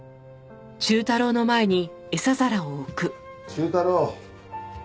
忠太郎。